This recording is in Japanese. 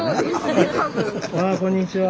あこんにちは。